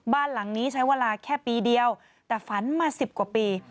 บ้านหลังนี้ใช้เวลาแค่ปีเดียวแต่ฝันมา๑๐กว่าปี